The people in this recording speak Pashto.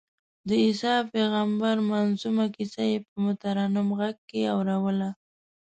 د عیسی پېغمبر منظمومه کیسه یې په مترنم غږ کې اورووله.